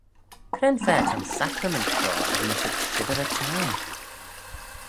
Cre'n fa ta'n sacrament shoh enmyssit shibbyr y çhiarn?